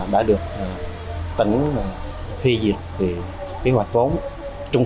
đã được tỉnh phi diệt về kế hoạch vốn